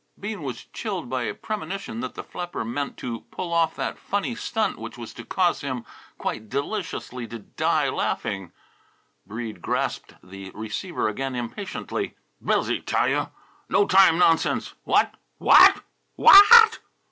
Bean was chilled by a premonition that the flapper meant to pull off that funny stunt which was to cause him quite deliciously to die laughing. Breede grasped the receiver again impatiently. "Busy, tell you! No time nonsense! What! What. W H A T!!!"